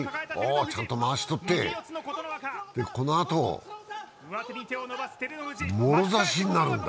ちゃんとまわし取って、このあともろ差しになるんだ。